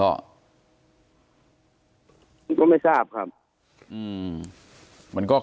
ก็ไม่ทราบครับ